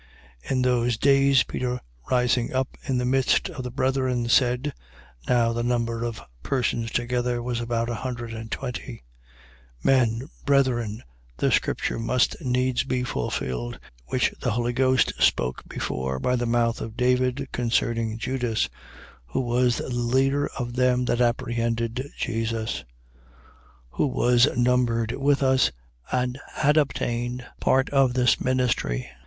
1:15. In those days Peter rising up in the midst of the brethren, said (now the number of persons together was about an hundred and twenty): 1:16. Men, brethren, the scripture must needs be fulfilled, which the Holy Ghost spoke before by the mouth of David concerning Judas, who was the leader of them that apprehended Jesus: 1:17. Who was numbered with us, and had obtained part of this ministry.